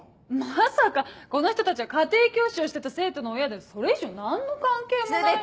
まさかこの人たちは家庭教師をしてた生徒の親でそれ以上何の関係もない。